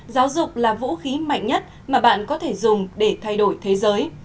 giáo dục là vũ khí mạnh nhất mà bạn có thể dùng để thay đổi thế giới